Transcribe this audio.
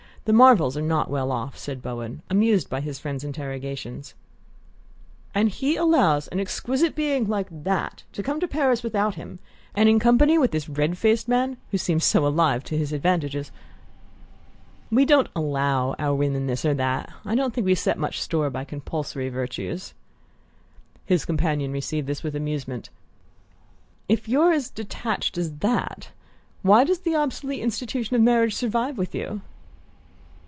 The Marvells are not well off," said Bowen, amused by his friend's interrogations. "And he allows an exquisite being like that to come to Paris without him and in company with the red faced gentleman who seems so alive to his advantages?" "We don't 'allow' our women this or that; I don't think we set much store by the compulsory virtues." His companion received this with amusement. "If: you're as detached as that, why does the obsolete institution of marriage survive with you?"